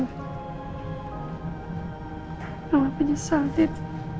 mama menyesal dit